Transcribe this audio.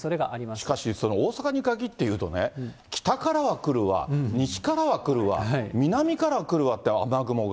しかし、その大阪に限って言うと、北からは来るわ、西からは来るわ、南から来るわって雨雲が。